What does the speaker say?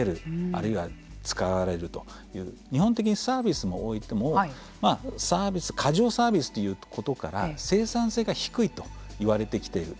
あるいは使われるという日本的なサービスにおいても過剰サービスということから生産性が低いと言われてきている。